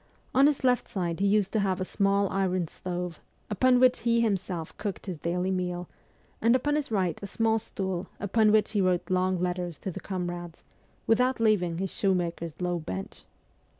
On his left side he used to have a small iron stove, upon which he himself cooked his daily meal, and upon his right a small stool upon which he wrote long letters to the comrades, without leaving his shoemaker's low bench.